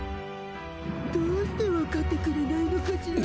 どうして分かってくれないのかしら。